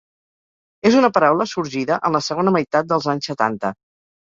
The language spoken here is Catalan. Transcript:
És una paraula sorgida en la segona meitat dels anys setanta.